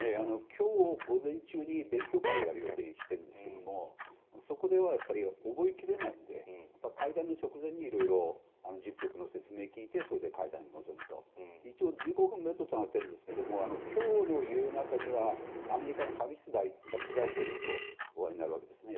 今日午前中に勉強会をやる予定にしているんですがそこでは覚え切れないので会談の直前に色々と事務局の説明を聞いてそれで会談に臨むということになっているんですが一応、１５分がめどということになっているんですが今日の夕方にアメリカのハリス副大統領とお会いになるわけですね。